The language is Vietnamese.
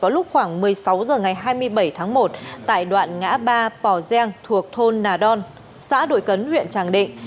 vào lúc khoảng một mươi sáu h ngày hai mươi bảy tháng một tại đoạn ngã ba pò giang thuộc thôn nà đon xã đội cấn huyện tràng định